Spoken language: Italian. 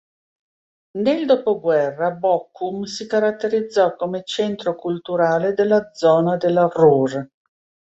Nel dopoguerra, Bochum si caratterizzò come centro culturale della zona della Ruhr.